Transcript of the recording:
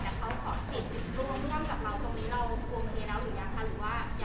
และเขาจะขอข่อสิทธิ์รวงต้องกับเราตรงนี้เราพูดเหมือนกันหรือยังไม่รู้ว่า